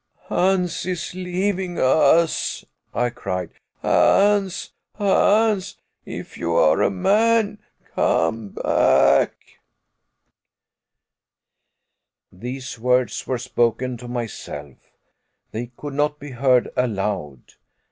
"Hans is leaving us," I cried. "Hans Hans, if you are a man, come back." These words were spoken to myself. They could not be heard aloud.